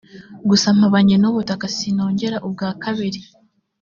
gusa mpamanye n ubutaka sinongera ubwa kabiri